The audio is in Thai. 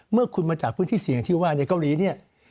เมื่อคุณมาจากพื้นที่สี่อย่างที่ว่านายเกาหลี